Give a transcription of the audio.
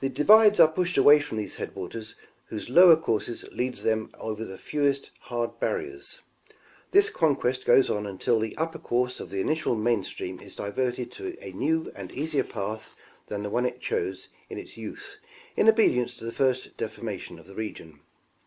'The divides are pushed away from those headwaters whose lower course leads them over the fewest hard barriers ; this conquest goes on until the upper course of the initial main stream is diverted to a new and easier path than the one it chose in its youth in obedience to the first deformation of the region.